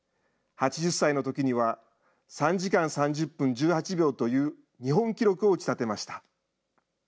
８０歳のときには３時間３０分１８秒という日本記録を打ち立てました。